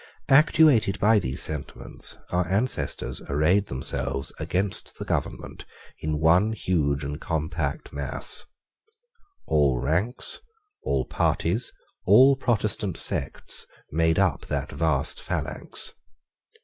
Actuated by these sentiments our ancestors arrayed themselves against the government in one huge and compact mass. All ranks, all parties, all Protestant sects, made up that vast phalanx.